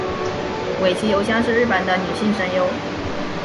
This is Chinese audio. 尾崎由香是日本的女性声优。